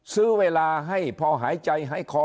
ซื้อเวลาให้พอหายใจหายคอ